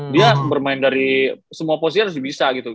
dia bermain dari semua posisi harus bisa gitu